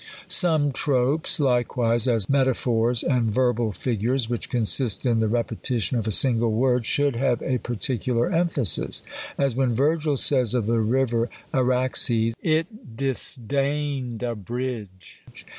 Some tropes, likewise, asT^aphors and verbal fig ures, which censist in the repSition of a single word, ^ould have a particular emphasis. As when Virgil says of the river Araxes, '* It disdained a bridge."